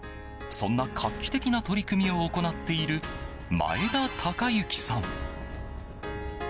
そんな画期的な取り組みを行っている前田隆行さん。